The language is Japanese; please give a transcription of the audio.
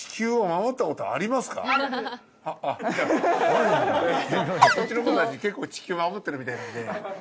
うちの子たち結構地球守ってるみたいなんで。